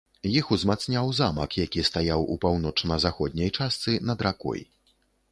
Іх узмацняў замак, які стаяў у паўночна-заходняй частцы над ракой.